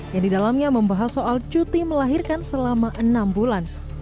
yang didalamnya membahas soal cuti melahirkan selama enam bulan